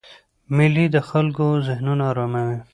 مېلې د خلکو ذهنونه آراموي.